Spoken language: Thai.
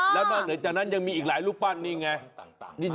และตั้งแต่จากนั้นยังมีอีกหลายลูกปั้นเนี่ย